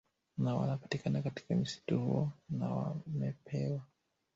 na wanapatikana katika msitu huo na wamepewa